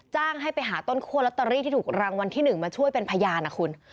จ้างให้ไปหาต้นคั่วลอตเตอรี่ที่ถูกรางวัลที่๑มาช่วยเป็นพยานนะคุณ